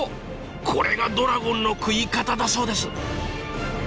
これがドラゴンの食い方だそうです。